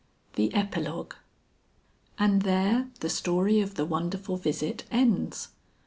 THE EPILOGUE. And there the story of the Wonderful Visit ends.